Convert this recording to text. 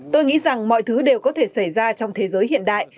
tôi nghĩ rằng mọi thứ đều có thể xảy ra trong thế giới hiện đại